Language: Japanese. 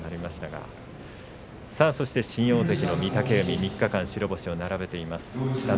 新大関の御嶽海３日間、白星を並べています。